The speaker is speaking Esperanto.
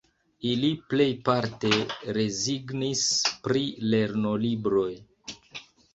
Ili plejparte rezignis pri lernolibroj.